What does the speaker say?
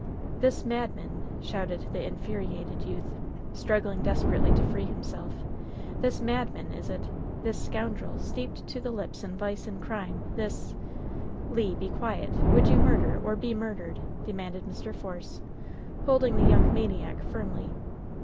"*This madman!''' shouted the infuriated youth, struggling desperately to free himself. "*This mad man,' is it ? This scoundrel, steeped to the lips in vice and crime 1 This ^" "Le, be quiet ! Would you murder, or be murdered ?" demanded Mr. Force, holding the young maniac firmly.